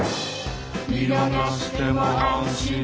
「見逃しても安心」